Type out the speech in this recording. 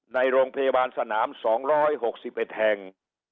ในโรงพยาบาลสนาม๒๖๑แห่ง